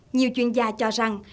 nhiều chuyên gia cho rằng